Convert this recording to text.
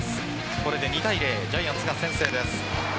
これで２対０ジャイアンツが先制です。